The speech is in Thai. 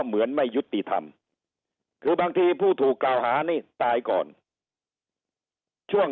เหมือนไม่ยุติธรรมคือบางทีผู้ถูกกล่าวหานี่ตายก่อนช่วง